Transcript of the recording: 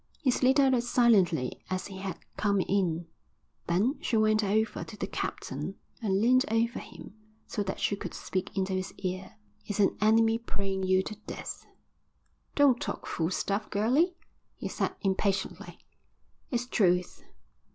He slid out as silently as he had come in. Then she went over to the captain and leaned over him so that she could speak into his ear. "It's an enemy praying you to death." "Don't talk fool stuff, girlie," he said impatiently. "It's truth.